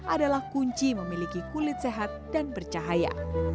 adalah kunci memiliki kulit sehat dan bercahaya